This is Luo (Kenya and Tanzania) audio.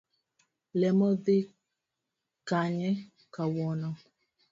Lemo dhi kanye kawuono.